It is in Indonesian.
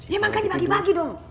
ya makanya dibagi bagi dong